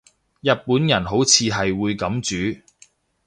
日本人好似係會噉煮